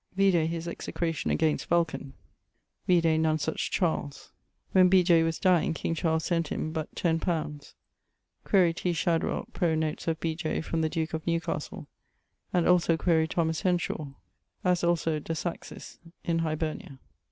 Vide his Execration against Vulcan. Vide None such Charles. When B. J. was dyeing king Charles sent him but X li. Quaere T. Shadwell pro notes of B. J. from the duke of Newcastle; and also quaere Thomas Henshawe (as also de saxis in Hibernia).